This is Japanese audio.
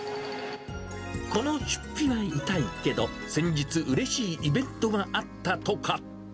この出費が痛いけど、先日、うれしいイベントがあったとか。